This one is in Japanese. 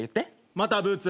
また「ブーツ」？